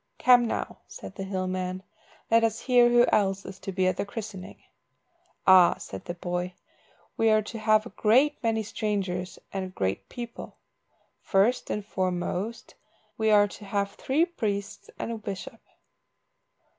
"Come now," said the hill man, "let us hear who else is to be at the christening." "Ah," said the boy, "we are to have a great many strangers and great people. First and foremost, we are to have three priests and a bishop."